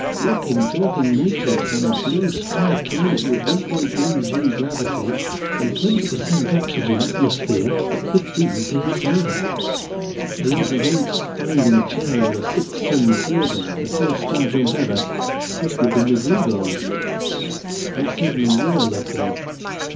Walking, talking natives on a blue sky planet with 1.1 g gravity and a twenty per cent oxygen atmosphere at fifteen p.s.i. The odds against finding Chang on a six sun survey on the first star jump ever must be up in the googols. We certainly were lucky.